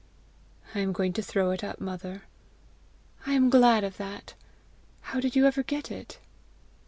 "I am going to throw it up, mother." "I am glad of that! How did you ever get it?"